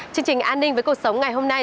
chương trình an ninh với cuộc sống ngày hôm nay